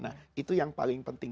nah itu yang paling penting